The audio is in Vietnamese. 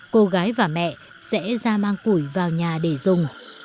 cô gái và mẹ sẽ ra mang củi vào nhà để dùng